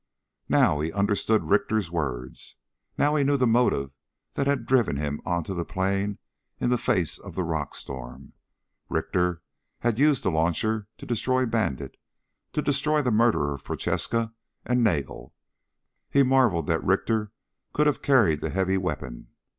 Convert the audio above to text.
_" Now he understood Richter's words. Now he knew the motive that had driven him onto the plain in the face of the rock storm. Richter had used the launcher to destroy Bandit, to destroy the murderer of Prochaska and Nagel. He marveled that Richter could have carried the heavy weapon.